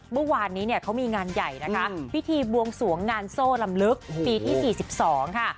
เมื่อวานนี้เนี่ยเขามีงานใหญ่นะคะพิธีบวงสวงงานโซ่ลำลึกปีที่๔๒ค่ะ